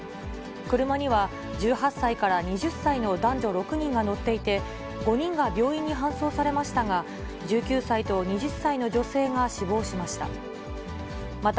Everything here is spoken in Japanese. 車には１８歳から２０歳の男女６人が乗っていて、５人が病院に搬送されましたが、１９歳と２０歳の女性が死亡しました。